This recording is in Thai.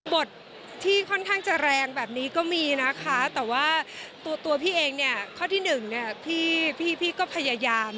บทที่ค่อนข้างจะแรงแบบนี้ก็มีนะคะ